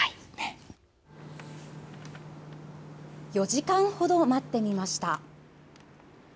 ４時間ほど待ってみました。